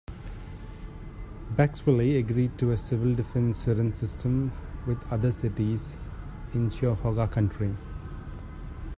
Brecksville agreed to a Civil Defense Siren system with other cities in Cuyahoga County.